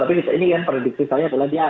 tapi ini kan prediksi saya